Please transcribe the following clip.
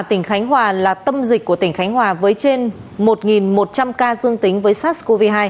tỉnh khánh hòa là tâm dịch của tỉnh khánh hòa với trên một một trăm linh ca dương tính với sars cov hai